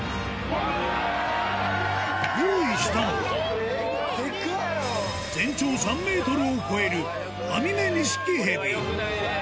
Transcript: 用意したのは、全長３メートルを超えるアミメニシキヘビ。